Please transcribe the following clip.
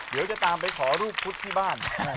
เดี๋ยวจะตามไปขอรูปพุทธที่บ้าน